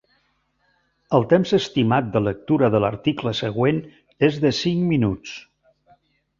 El temps estimat de lectura de l'article següent és de cinc minuts.